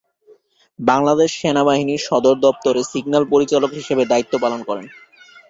বাংলাদেশ সেনাবাহিনীর সদর দফতরে সিগন্যাল পরিচালক হিসেবে দায়িত্ব পালন করেন।